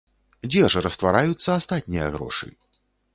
Дзе ж раствараюцца астатнія грошы?